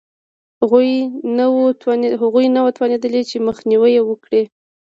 غوی نه وو توانېدلي چې مخنیوی یې وکړي